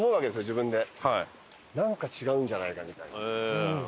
自分でなんか違うんじゃないかみたいな。